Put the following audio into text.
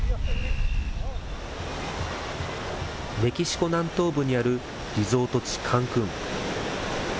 メキシコ南東部にあるリゾート地、カンクン。